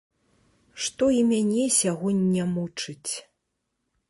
Што і мяне сягоння мучыць.